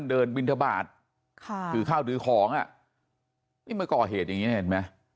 เป็นบินทบาทคือข้าวดื้อของนี่มาก่อเหตุอย่างนี้นะเห็นไหม